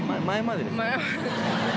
前まで。